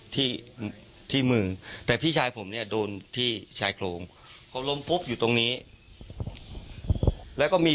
ที่ที่มือแต่พี่ชายผมเนี่ยโดนที่ชายโครงเขาล้มฟุบอยู่ตรงนี้แล้วก็มี